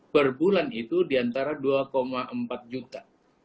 per bulan itu diantara dua empat juta